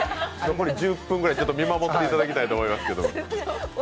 残り１０分ぐらい、見守っていただきたいと思います。